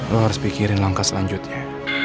lo harus pikirin langkah selanjutnya